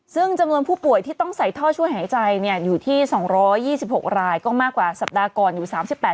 ซึ่งจำนวนผู้ป่วยที่ต้องใส่ท่อช่วยหายใจอยู่ที่๒๒๖รายก็มากกว่าสัปดาห์ก่อนอยู่๓๘